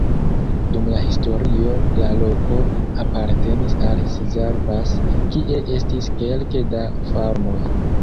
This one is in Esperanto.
Dum la historio la loko apartenis al Szarvas, kie estis kelke da farmoj.